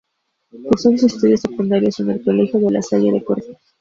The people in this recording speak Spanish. Cursó sus estudios secundarios en el Colegio de La Salle de Córdoba.